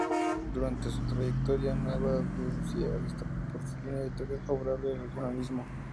Durante su trayectoria "Nueva Andalucía" destacó por su línea editorial favorable al regionalismo.